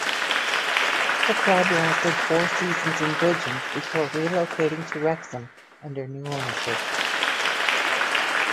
The club lasted four seasons in Bridgend before relocating to Wrexham under new ownership.